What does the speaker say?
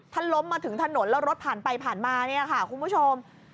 ถ้าล้มมาถึงถนนแล้วรถผ่านไปผ่านมาเนี่ยค่ะคุณผู้ชม